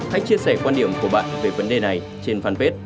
hãy chia sẻ quan điểm của bạn về vấn đề này trên fanpage truyền hình công an nhân dân